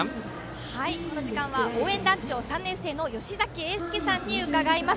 この時間は応援団長３年生のよしざきえいすけさんに伺います。